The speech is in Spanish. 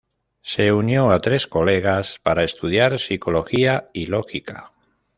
Se unió a tres colegas para estudiar psicología, y lógica.